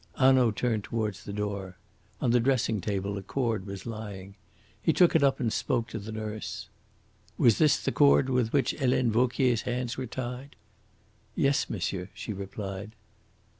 Hanaud turned towards the door. On the dressing table a cord was lying. He took it up and spoke to the nurse. "Was this the cord with which Helene Vauquier's hands were tied?" "Yes, monsieur," she replied.